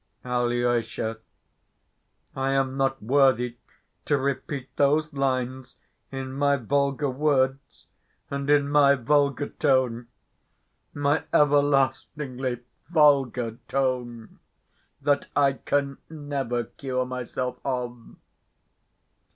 Alyosha, I am not worthy to repeat those lines in my vulgar words and in my vulgar tone, my everlastingly vulgar tone, that I can never cure myself of.